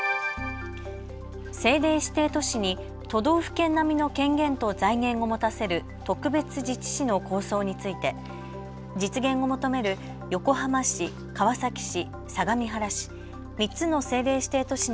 政令指定都市に都道府県並みの権限と財源を持たせる特別自治市の構想について実現を求める横浜市、川崎市、相模原市。